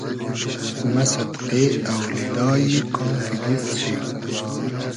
مۂ سئدقې اۆلیلای قافی دیست شی